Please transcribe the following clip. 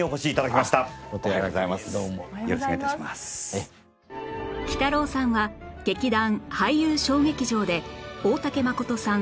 きたろうさんは劇団俳優小劇場で大竹まことさん